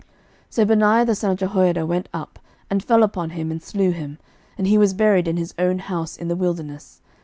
11:002:034 So Benaiah the son of Jehoiada went up, and fell upon him, and slew him: and he was buried in his own house in the wilderness.